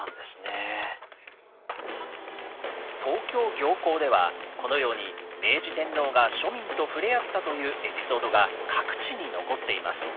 東京行幸ではこのように明治天皇が庶民と触れ合ったというエピソードが各地に残っています。